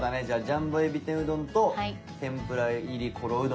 じゃあジャンボ海老天うどんと天ぷら入りころ